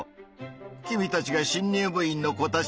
君たちが新入部員の子たちだね。